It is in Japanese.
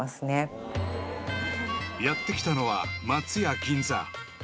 ［やって来たのは松屋銀座］